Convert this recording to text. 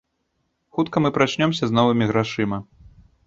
Хутка мы прачнёмся з новымі грашыма.